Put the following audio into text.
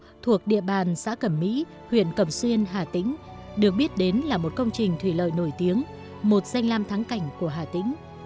các hộ thuộc địa bàn xã cẩm mỹ huyện cẩm xuyên hà tĩnh được biết đến là một công trình thủy lợi nổi tiếng một danh lam thắng cảnh của hà tĩnh